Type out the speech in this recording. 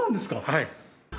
はい。